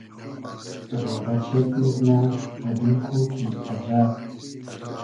رۉبۂ چېگ میزنۂ دۂ دیل خو کی اجئب